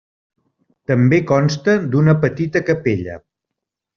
També consta d'una petita capella.